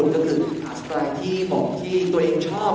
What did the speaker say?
แล้วเอาออกมาบ้างเลยนะครับ